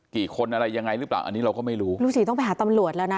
กี่คนอะไรยังไงหรือเปล่าอันนี้เราก็ไม่รู้ลุงศรีต้องไปหาตำรวจแล้วนะ